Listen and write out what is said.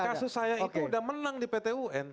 kasus saya itu udah menang di pt un